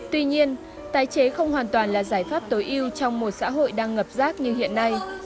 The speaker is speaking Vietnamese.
tuy nhiên tái chế không hoàn toàn là giải pháp tối ưu trong một xã hội đang ngập rác như hiện nay